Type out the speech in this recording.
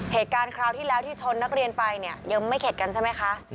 คราวที่แล้วที่ชนนักเรียนไปเนี่ยยังไม่เข็ดกันใช่ไหมคะ